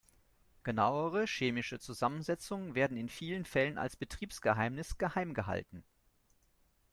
Genauere chemische Zusammensetzungen werden in vielen Fällen als Betriebsgeheimnis geheim gehalten.